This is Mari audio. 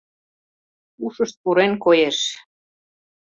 Ушышт пурен, коеш.